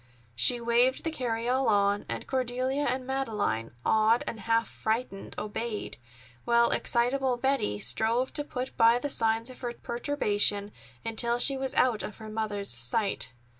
She waved the carryall on, and Cordelia and Madeleine, awed and half frightened, obeyed, while excitable Betty strove to put by the signs of her perturbation until she was out of her mother's sight.